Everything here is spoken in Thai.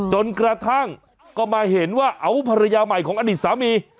จนกระทั่งก็มาเห็นว่าเอาภรรยาใหม่ของอดีตสามี